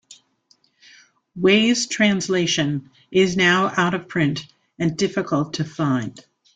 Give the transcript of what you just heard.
Wei's translation is now out of print and difficult to find.